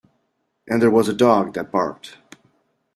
And there was a dog that barked.